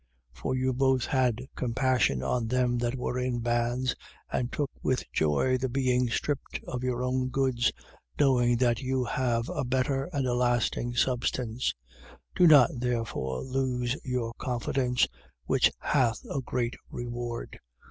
10:34. For you both had compassion on them that were in bands and took with joy the being stripped of your own goods, knowing that you have a better and a lasting substance. 10:35. Do not therefore lose your confidence which hath a great reward.